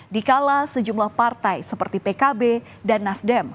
dikala sejumlah partai seperti pkb dan nasdem